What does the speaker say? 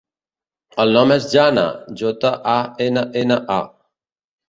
El nom és Janna: jota, a, ena, ena, a.